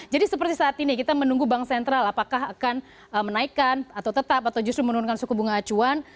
jadi seperti saat ini kita menunggu bank sentral apakah akan menaikkan atau tetap atau justru menurunkan suku bunga acuan